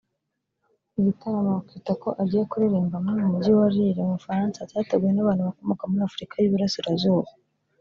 Igitaramo Kitoko agiye kuririmbamo mu Mujyi wa Lille mu Bufaransa cyateguwe n’abantu bakomoka muri Afurika y’Uburasirazuba